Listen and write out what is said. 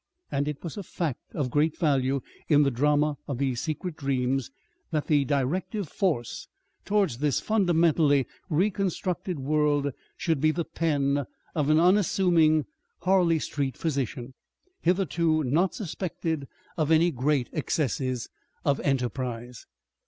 And it was a fact of great value in the drama of these secret dreams that the directive force towards this fundamentally reconstructed world should be the pen of an unassuming Harley Street physician, hitherto not suspected of any great excesses of enterprise.